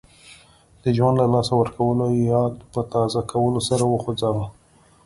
د ژوند له لاسه ورکولو یاد په تازه کولو سر وخوځاوه.